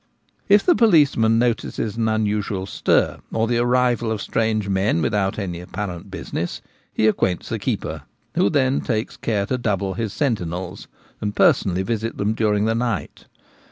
If the policeman notices an unusual stir, or the arrival of strange men without any apparent business, he acquaints the keeper, who then takes care to double his sentinels, and personally visit them during the night.